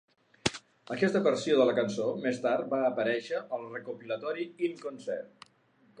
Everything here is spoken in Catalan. Aquesta versió de la cançó més tard va aparèixer al recopilatori In Concert.